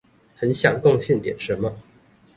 很想貢獻點什麼